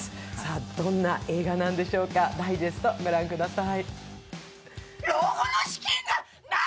どんな映画なんでしょうか、ダイジェスト御覧ください。